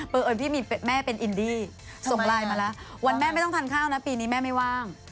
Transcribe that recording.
เอิญพี่แม่เป็นอินดี้ส่งไลน์มาแล้ววันแม่ไม่ต้องทานข้าวนะปีนี้แม่ไม่ว่าง